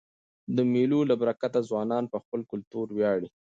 د مېلو له برکته ځوانان په خپل کلتور وياړي.